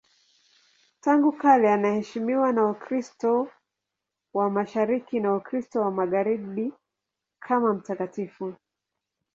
Tangu kale anaheshimiwa na Ukristo wa Mashariki na Ukristo wa Magharibi kama mtakatifu.